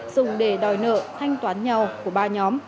dùng để đòi nợ thanh toán nhau của ba nhóm